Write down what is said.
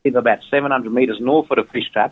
saya seorang orang yang berada di sungai